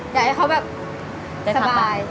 อยากให้เขาแบบสบาย